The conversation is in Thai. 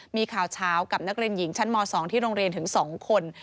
มีข่าวเช้ากับนักเรียนหญิงชั้นม๒ที่โรงเรียนถึง๒คน